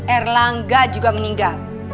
erlangga juga meninggal